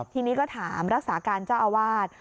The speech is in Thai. ทีนี้ก็ถามรักษาการเจ้าอาวาส